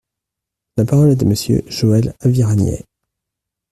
La parole est à Monsieur Joël Aviragnet.